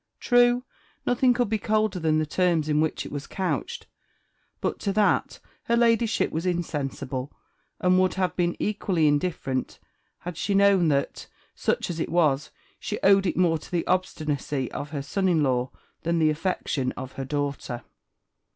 True, nothing could be colder than the terms in which it was couched; but to that her Ladyship was insensible, and would have been equally indifferent had she known that, such as it was, she owed it more to the obstinacy of her son in law than the affection of her daughter.